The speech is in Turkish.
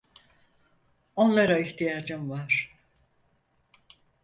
Onlara ihtiyacım var.